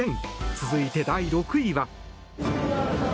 続いて第６位は。